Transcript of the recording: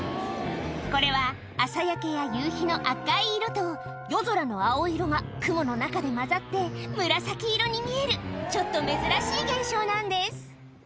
これは朝焼けや夕日の赤い色と夜空の青色が雲の中で混ざって紫色に見えるちょっと珍しい現象なんです